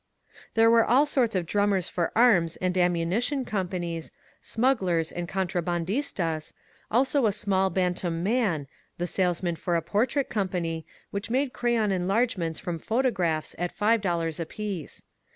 There were all sorts of drummers for arms and am munition companies, smugglers and contrabandistas; also a small, bantam man, the salesman for a portrait company, which made crayon enlargements from pho tographs at $5 apiece.